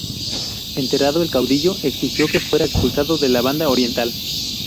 Enterado, el caudillo exigió que fuera expulsado de la Banda Oriental.